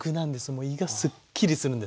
もう胃がすっきりするんですよ。